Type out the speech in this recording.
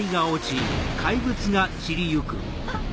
あっ！